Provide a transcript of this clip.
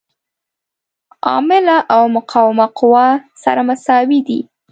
عامله او مقاومه قوه سره مساوي دي.